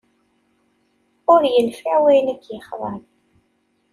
Ur yenfiε wayen i k-yexḍan